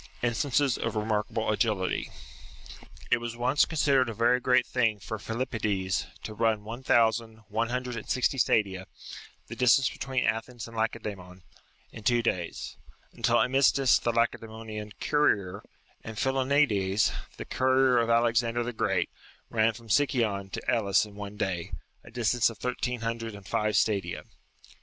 INSTANCES OF EEMAEKABLE AGILITY. It was considered a very great thing for Philippides to run one thousand one hundred and sixty stadia, the distance between Athens and Lacedsemon, in two days, until Amystis, the Lace daemonian courier, and Philonides,^*' the courier of Alexander the Great, ran from Sicyon to Elis in one day, a distance of thii* teen hundred and five stadia.